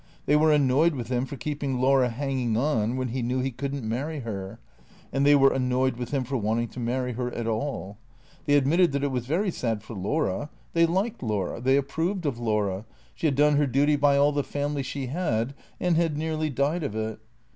They were annoyed with him for keeping Laura hanging on when he knew he could n't marry her ; and tliey were annoyed with him for wanting to marry her at all. They admitted that it was very sad for Laura; they 312 THE CEEATOES 313 liked Laura ; they approved of Laura ; she had done her duty by all the family she had, and had nearly died of it.